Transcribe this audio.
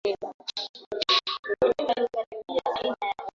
aina za kisukari zinatokana na kuwai kupata tiba